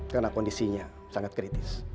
karena kondisinya sangat kritis